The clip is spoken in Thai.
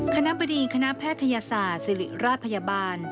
คณะบดีคณะแพทยศาสตร์ศิริราชพยาบาล